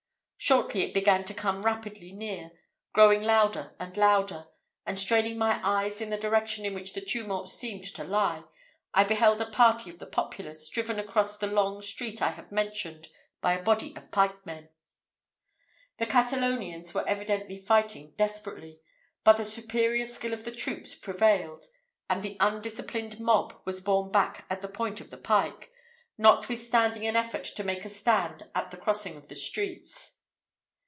Shortly it began to come rapidly near, growing louder and louder; and straining my eyes in the direction in which the tumult seemed to lie, I beheld a party of the populace driven across the long street I have mentioned by a body of pikemen. The Catalonians were evidently fighting desperately; but the superior skill of the troops prevailed, and the undisciplined mob was borne back at the point of the pike, notwithstanding an effort to make a stand at the crossing of the streets.